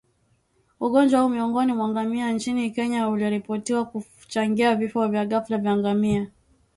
ugonjwa huu miongoni mwa ngamia nchini Kenya uliripotiwa kuchangia vifo vya ghafla vya ngamia